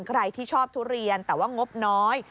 ใครที่ชอบทุเรียนแต่ว่างบน้อย